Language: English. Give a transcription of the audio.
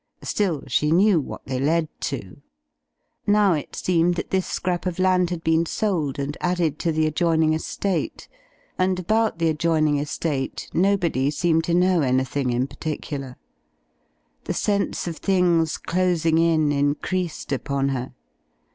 Still, she knew what they led to. Now it seemed that this scrap of land had been sold and added to the ^^ Digitized by Google THE ENIGMAS OF LADY JOAN 303 adjoining estate; and about the adjoining estate no body seemed to know anything in particular. The sense of things dosing in increased upon her.